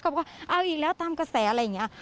บอกว่าเอาอีกแล้วตามกระแสอะไรอย่างนี้